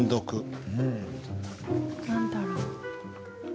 何だろう？